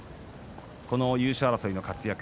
この優勝争いの活躍